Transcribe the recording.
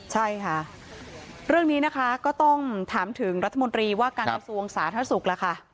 ใช่ค่ะเรื่องนี้นะคะก็ต้องถามถึงรัฐมนตรีว่าการกระทรวงสาธารณสุขล่ะค่ะ